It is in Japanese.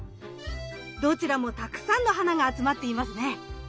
どちらもたくさんの花が集まっていますね。